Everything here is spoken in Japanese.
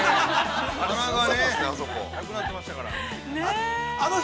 ◆棚がね、なくなってましたから。